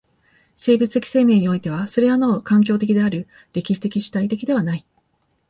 生物的生命においてはそれはなお環境的である、歴史的主体的ではない。